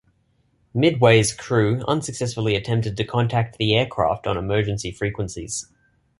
"Midway"s crew unsuccessfully attempted to contact the aircraft on emergency frequencies.